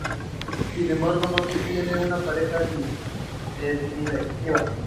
This produced a new roof feature which was designed by Watts and Partners.